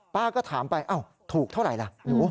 ป้าก็ถามไปถูกเท่าไหร่ล่ะ